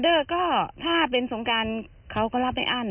เออก็ถ้าเป็นสงการเขาก็รับไอ้อั้น